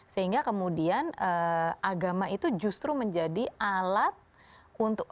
sehingga kemudian agama itu justru menjadi alat untuk